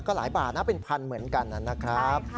ก็หลายบาทนะเป็นพันเหมือนกันนะครับ